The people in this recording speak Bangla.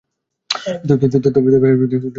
তবে এ প্রযুক্তি এখনো তার শৈশব অতিক্রম করেনি।